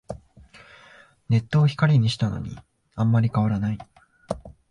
ネットを光にしたのにあんまり変わらない